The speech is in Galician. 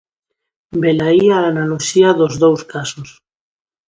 Velaí a analoxía dos dous casos.